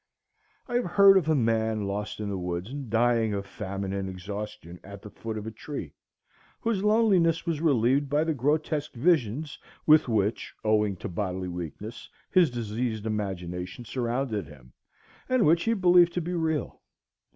I have heard of a man lost in the woods and dying of famine and exhaustion at the foot of a tree, whose loneliness was relieved by the grotesque visions with which, owing to bodily weakness, his diseased imagination surrounded him, and which he believed to be real.